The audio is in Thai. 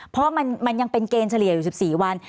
เพราะว่ามันยังเป็นเกณฑ์เฉลี่ยอยู่๑๔วัน